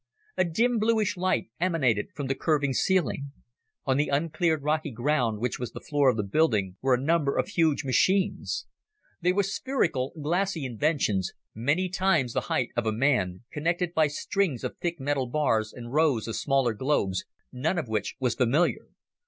A dim, bluish light emanated from the curving ceiling. On the uncleared rocky ground which was the floor of the building were a number of huge machines. They were spherical glassy inventions, many times the height of a man, connected by strings of thick metal bars and rows of smaller globes, none of which was familiar.